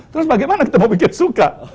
terus bagaimana kita mau bikin suka